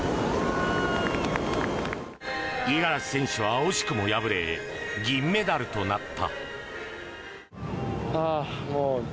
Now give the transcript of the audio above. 五十嵐選手は惜しくも敗れ銀メダルとなった。